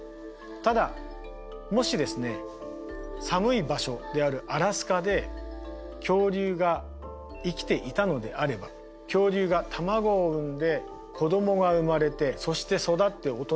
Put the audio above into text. ただもしですね寒い場所であるアラスカで恐竜が生きていたのであれば恐竜が卵を産んで子供が生まれてそして育って大人になる。